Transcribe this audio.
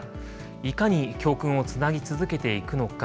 いかに教訓をつなぎ続けていくのか。